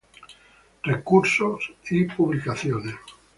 Recursos y publicaciones